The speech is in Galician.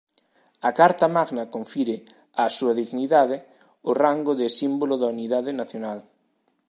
A Carta Magna confire á súa dignidade o rango de símbolo da unidade nacional.